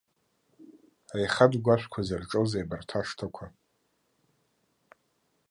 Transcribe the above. Аихатә гәашәқәа зырҿоузеи абарҭ ашҭақәа?